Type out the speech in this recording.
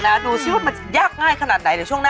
หรือว่าปืนได้